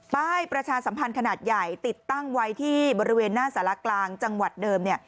ประชาสัมพันธ์ขนาดใหญ่ติดตั้งไว้ที่บริเวณหน้าสารกลางจังหวัดเดิม